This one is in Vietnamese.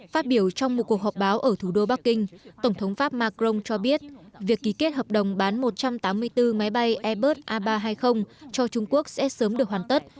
phát biểu trong một cuộc họp báo ở thủ đô bắc kinh tổng thống pháp macron cho biết việc ký kết hợp đồng bán một trăm tám mươi bốn máy bay airbus a ba trăm hai mươi cho trung quốc sẽ sớm được hoàn tất